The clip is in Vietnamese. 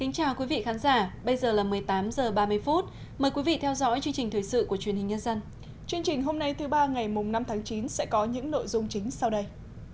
chương trình hôm nay thứ ba ngày năm tháng chín sẽ có những nội dung chính sau đây